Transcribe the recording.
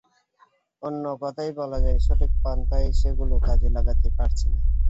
অন্য কথায় বলা যায়, সঠিক পন্থায় সেগুলো কাজে লাগাতে পারছি না।